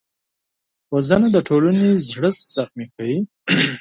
وژنه د ټولنې زړه زخمي کوي